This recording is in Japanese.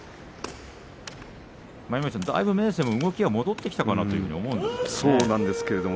舞の海さん、だいぶ明生も動きが戻ってきたかなと思うんですけれど。